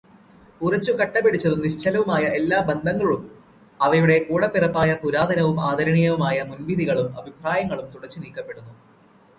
ഉറച്ചു കട്ടപിടിച്ചതും നിശ്ചലവുമായ എല്ലാ ബന്ധങ്ങളും അവയുടെ കൂടപ്പിറപ്പായ പുരാതനവും ആദരണീയവുമായ മുൻവിധികളും അഭിപ്രായങ്ങളും തുടച്ചുനീക്കപ്പെടുന്നു.